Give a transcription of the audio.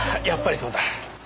やっぱりそうだ。